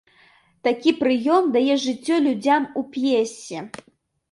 Такі прыём дае жыццё людзям у п'есе.